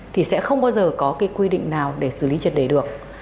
thì sẽ không bao giờ có cái quy định nào để xử lý trật đề được